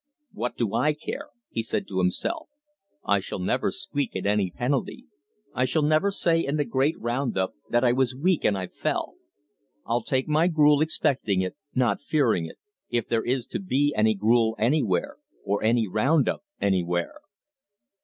"What do I care!" he said to himself. "I shall never squeal at any penalty. I shall never say in the great round up that I was weak and I fell. I'll take my gruel expecting it, not fearing it if there is to be any gruel anywhere, or any round up anywhere!"